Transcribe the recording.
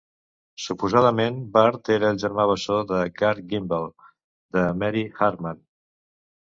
Suposadament, Barth era el germà bessó de Garth Gimble de "Mary Hartman".